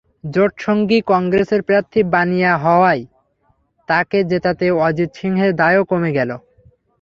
জোটসঙ্গী কংগ্রেসের প্রার্থী বানিয়া হওয়ায় তাঁকে জেতাতে অজিত সিংয়ের দায়ও কমে গেল।